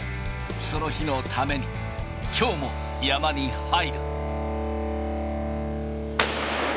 その日のために、きょうも山に入る。